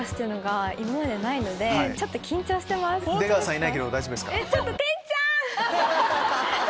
出川さんいないけど大丈夫ですか？